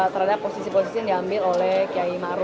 terhadap posisi posisi yang diambil oleh kiai maruf